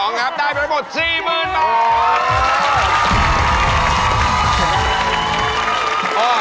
อ๋อนะครับได้ไปหมด๔๐๐๐๐บาท